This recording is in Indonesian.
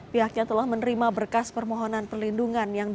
pihaknya telah menerima berkas permohonan perlindungan